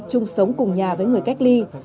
chung sống cùng nhà với người cách ly